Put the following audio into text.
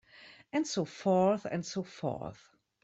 And so forth and so forth.